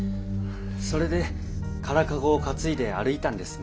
それで空駕籠を担いで歩いたんですね。